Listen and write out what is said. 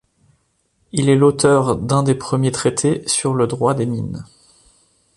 Il est l'auteur d'un des premiers Traités sur le droit des mines.